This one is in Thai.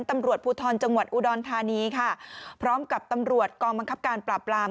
ตำรวจภูทรจังหวัดอุดรธานีค่ะพร้อมกับตำรวจกองบังคับการปราบราม